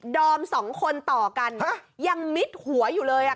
อมสองคนต่อกันยังมิดหัวอยู่เลยอ่ะ